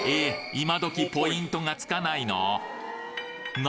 今どきポイントが付かないの？